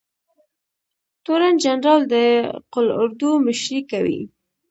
تورن جنرال د قول اردو مشري کوي